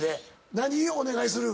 何お願いする？